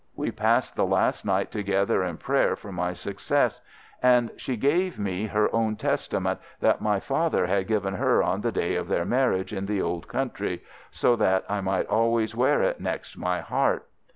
We passed the last night together in prayer for my success, and she gave me her own Testament that my father had given her on the day of their marriage in the Old Country, so that I might always wear it next my heart.